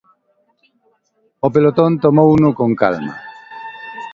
O pelotón tomouno con calma.